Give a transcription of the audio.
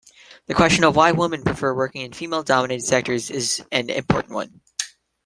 The question of why women prefer working in female-dominated sectors is an important one.